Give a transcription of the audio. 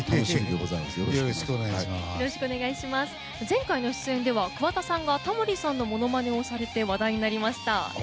前回の出演では桑田さんがタモリさんのモノマネをされて話題になりました。